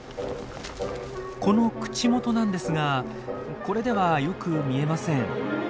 この口元なんですがこれではよく見えません。